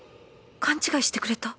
勘違いしてくれた